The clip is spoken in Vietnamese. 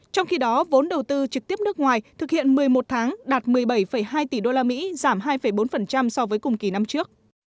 trong khi đó vốn đầu tư trực tiếp nước ngoài thực hiện một mươi một tháng đạt một mươi bảy hai tỷ usd giảm hai bốn so với cùng kỳ năm trước